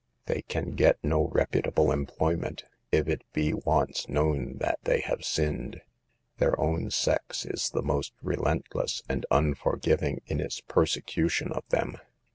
They can get no reputable employment if it be once known that they have sinned. Their own sex is the most relentless and unforgiving in its persecution of them.